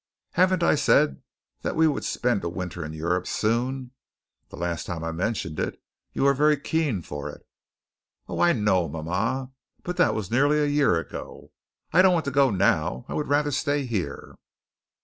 Haven't I said that we would spend a winter in Europe soon? The last time I mentioned it, you were very keen for it." "Oh, I know, mama, but that was nearly a year ago. I don't want to go now. I would rather stay here."